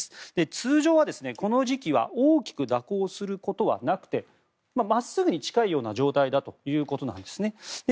通常は、この時期は大きく蛇行することはなくて真っすぐに近い状態だということなんですね。